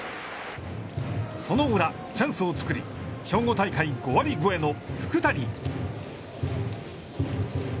その裏、チャンスを作り、兵庫大会５割超えの福谷！